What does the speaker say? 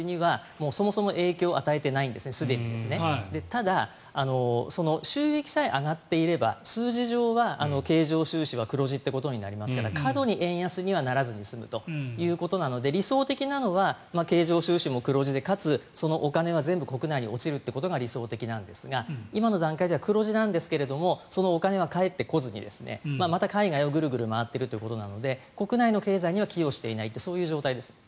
ただ、収益さえ上がっていれば数字上は経常収支は黒字ということになりますから過度に円安にはならずに済むということなので理想的なのは経常収支も黒字でかつ、そのお金は全部国内に落ちるということが理想的なんですが今の段階では黒字なんですけどそのお金は返ってこずにまた海外をグルグル回っているということなので国内の経済には寄与していないという状態ですね。